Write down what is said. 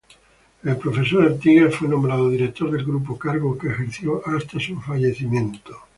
El profesor Artigas fue nombrado director del grupo, cargo que ejerció hasta su fallecimiento.